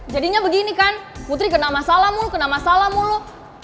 jadinya begini kan putri kena masalah mulu kena masalah mulu